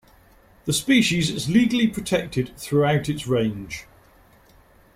The species is legally protected throughout its range.